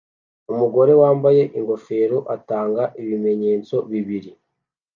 Umugore wambaye ingofero atanga ibimenyetso bibiri